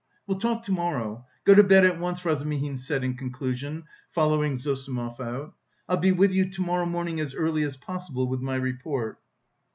"We'll talk to morrow; go to bed at once!" Razumihin said in conclusion, following Zossimov out. "I'll be with you to morrow morning as early as possible with my report."